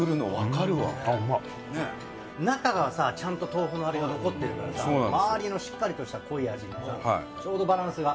中はさちゃんと豆腐のあれが残ってるからさ周りのしっかりとした濃い味とさちょうどバランスが。